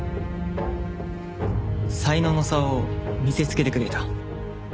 才能の差を見せつけてくれた。